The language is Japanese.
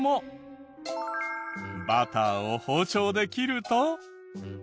バターを包丁で切ると。